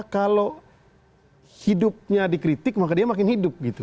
kalau hidupnya dikritik maka dia makin hidup gitu